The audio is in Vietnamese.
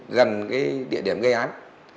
gần cái địa điểm gây án